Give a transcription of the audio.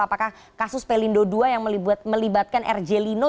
apakah kasus pelindo ii yang melibatkan r j lino